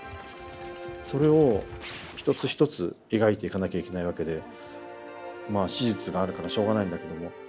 それを一つ一つ描いていかなきゃいけないわけでまあ史実があるからしょうがないんだけども。